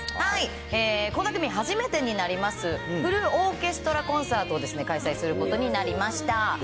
初めてになります、フルオーケストラコンサートを開催することになりました。